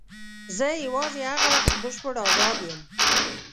زه یوازې هغه وخت بشپړ آزاد یم.